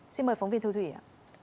xin mời phóng viên thu thủy ạ